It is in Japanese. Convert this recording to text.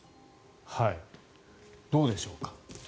どうでしょうか。